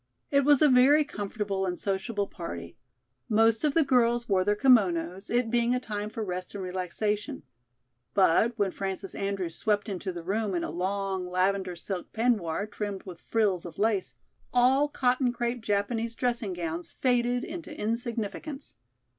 It was a very comfortable and sociable party. Most of the girls wore their kimonos, it being a time for rest and relaxation; but when Frances Andrews swept into the room in a long lavender silk peignoir trimmed with frills of lace, all cotton crepe Japanese dressing gowns faded into insignificance.